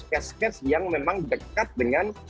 cash cas yang memang dekat dengan